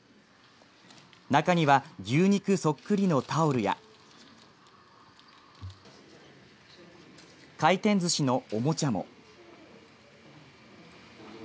中には、牛肉そっくりのタオルや回転ずしのおもちゃも。